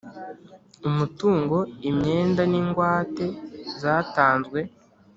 Umutungo Imyenda N Ingwate Zatanzwe